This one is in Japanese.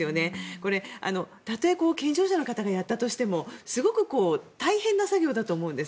これ、たとえ健常者の方がやったとしてもすごく大変な作業だと思うんです。